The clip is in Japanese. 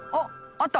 あった！